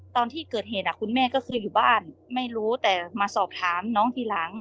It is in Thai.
ตอนที่เกิดเหตุคุณแม่ก็เคยอยู่บ้านไม่รู้แต่มาสอบถามน้องทีหลัง